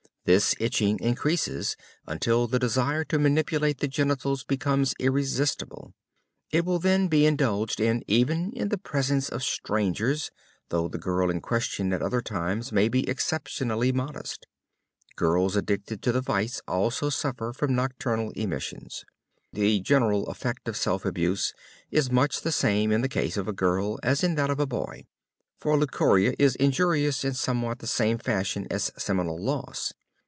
This itching increases until the desire to manipulate the genitals becomes irresistible. It will then be indulged in even in the presence of strangers, though the girl in question at other times may be exceptionally modest. Girls addicted to the vice also suffer from nocturnal emissions. The general effect of self abuse is much the same in the case of a girl as in that of a boy, for leucorrhea is injurious in somewhat the same fashion as seminal loss.